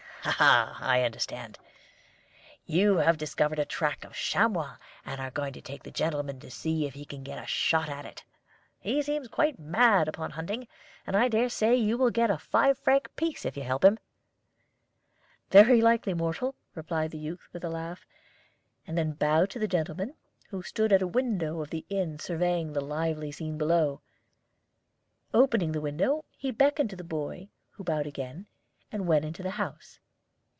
"Aha! I understand. You have discovered the track of a chamois, and are going to take the gentleman to see if he can get a shot at it. He seems quite mad upon hunting, and I dare say you will get a five franc piece if you help him." "Very likely, Mohrle," replied the youth, with a laugh; and then bowed to the gentleman, who stood at a window of the inn surveying the lively scene below. Opening the window, he beckoned to the boy, who bowed again, and went into the house.